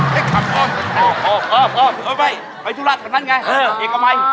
พ่อไม่ไปธุรกิจกันนั้นไง